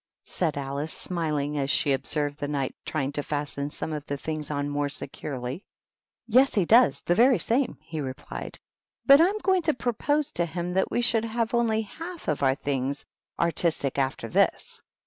said Alice, smiling, as she observed the Knight trying to fasten some of the things on more securely. "Yes he does, — the very same," he replied. " But I'm going to propose to him that we should have only fmlf of our things artistic after this.